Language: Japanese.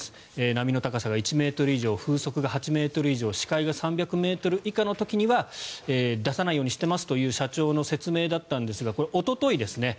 波の高さが１ｍ以上風速が８ｍ以上視界が３００ｍ以下の時には出さないようにしていますという社長の説明だったんですがこれ、おとといですね。